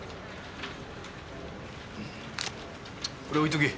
これ置いておけ。